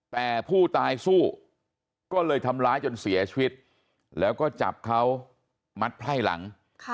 แต่ผู้ตายสู้ก็เลยทำร้ายจนเสียชีวิตแล้วก็จับเขามัดไพร่หลัง